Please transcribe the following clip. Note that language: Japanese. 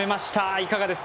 いかがですか？